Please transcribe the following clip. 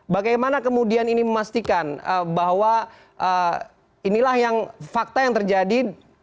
bagaimana kemudian ini memastikan bahwa inilah yang fakta yang terjadi